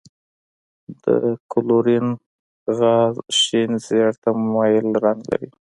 د کلورین غاز شین زیړ ته مایل رنګ لري.